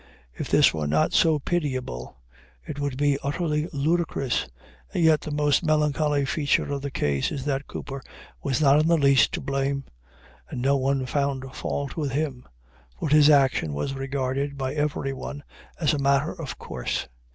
If this were not so pitiable, it would be utterly ludicrous and yet the most melancholy feature of the case is that Cooper was not in the least to blame, and no one found fault with him, for his action was regarded by everyone as a matter of course.